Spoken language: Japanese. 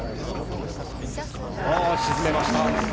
沈めました。